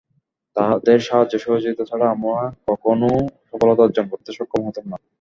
তাদের সাহায্য-সহযোগিতা ছাড়া আমরা কখনো সফলতা অর্জন করতে সক্ষম হতাম না।